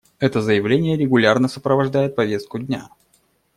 Это заявление регулярно сопровождает повестку дня.